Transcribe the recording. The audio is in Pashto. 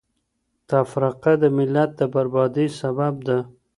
تفرقه د ملت د بربادۍ سبب ده.